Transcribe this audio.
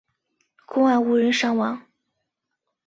公安无人伤亡。